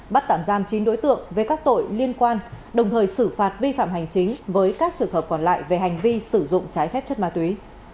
bắt tạm giam chín đối tượng về các tội liên quan đồng thời xử phạt vi phạm hành chính với các trường hợp còn lại về hành vi sử dụng trái phép chất ma túy